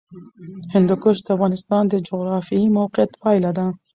هندوکش د افغانستان د جغرافیایي موقیعت پایله ده.